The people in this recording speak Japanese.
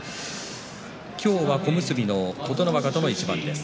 今日は小結琴ノ若との一番です。